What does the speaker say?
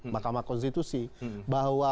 mahkamah konstitusi bahwa